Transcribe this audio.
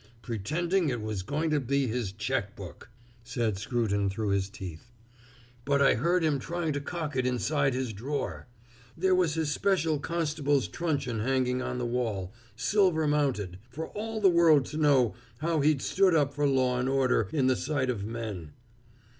"Pretending it was going to be his check book!" said Scruton through his teeth. "But I heard him trying to cock it inside his drawer. There was his special constable's truncheon hanging on the wall silver mounted, for all the world to know how he'd stood up for law and order in the sight of men!